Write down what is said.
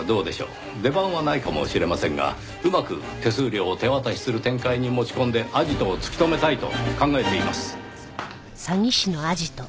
出番はないかもしれませんがうまく手数料を手渡しする展開に持ち込んでアジトを突き止めたいと考えています。